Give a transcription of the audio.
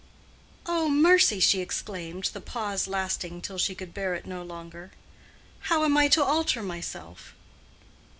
"Oh, mercy!" she exclaimed, the pause lasting till she could bear it no longer. "How am I to alter myself?"